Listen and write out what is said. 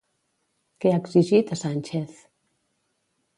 Què ha exigit a Sánchez?